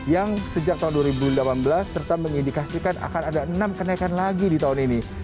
yang sejak tahun dua ribu delapan belas serta mengindikasikan akan ada enam kenaikan lagi di tahun ini